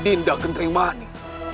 dengan dinda kentrimani